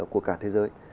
của cả thế giới